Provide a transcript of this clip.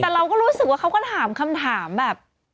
แต่เราก็รู้สึกว่าเขาก็ถามคำถามแบบ